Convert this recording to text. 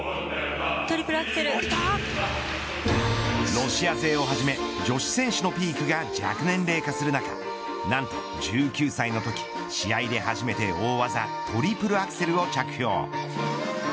ロシア勢をはじめ女子選手のピークが若年化する中何と、１９歳のとき試合で初めて大技トリプルアクセルを着氷。